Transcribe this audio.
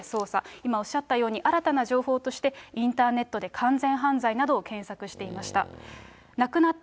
今おっしゃったように、新たな情報として、インターネットで、完全犯罪などを検索していました。